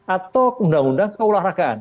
atau undang undang keolahragaan